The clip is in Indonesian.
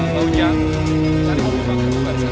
pak unyang cari mobil bak terbuka disana